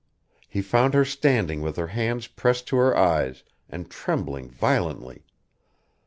He found her standing with her hands pressed to her eyes and trembling violently.